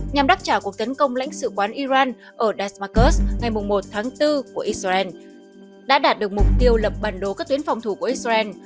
nhằm đáp trả cuộc tấn công lãnh sự quán iran ở dasmacus ngày một tháng bốn của israel đã đạt được mục tiêu lập bản đồ các tuyến phòng thủ của israel